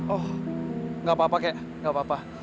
oh nggak apa apa kek nggak apa apa